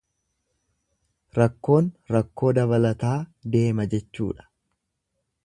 Rakkoon rakkoo dabalataa deema jechuudha.